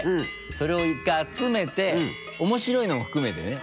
それを１回集めて面白いのも含めてね。